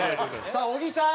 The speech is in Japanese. さあ小木さん。